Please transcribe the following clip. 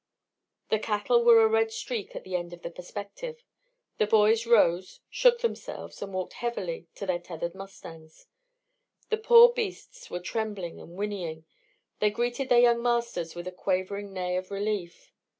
The cattle were a red streak at the end of the perspective. The boys rose, shook themselves, and walked heavily to their tethered mustangs. The poor beasts were trembling and whinnying; they greeted their young masters with a quavering neigh of relief.